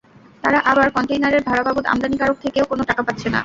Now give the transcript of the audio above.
তারা আবার কনটেইনারের ভাড়া বাবদ আমদানিকারক থেকেও কোনো টাকা পাচ্ছে না।